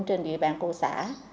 trên địa bàn của xã